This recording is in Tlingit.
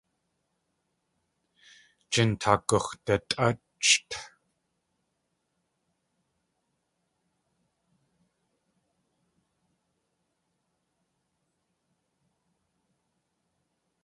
Jintaak gux̲datʼácht.